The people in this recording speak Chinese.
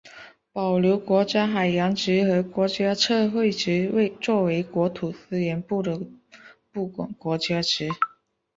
保留国家海洋局和国家测绘局作为国土资源部的部管国家局。